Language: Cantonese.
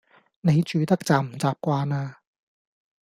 你住得習唔習慣呀